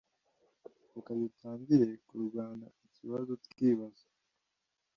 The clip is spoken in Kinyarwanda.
Reka dutangire kurwana ikibazo twibaza